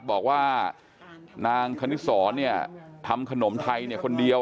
บอกว่านางคณิตสรทำขนมไทยคนเดียว